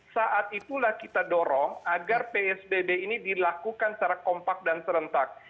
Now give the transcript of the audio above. saat itulah kita dorong agar psbb ini dilakukan secara kompak dan serentak